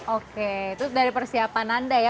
oke itu dari persiapan anda ya